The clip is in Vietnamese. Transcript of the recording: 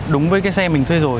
đúng với cái xe mình thuê rồi